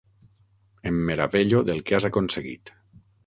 Em meravello del que has aconseguit.